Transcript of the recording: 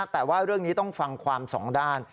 แต่ว่าเรื่องนี้ต้องฟังความสองด้าน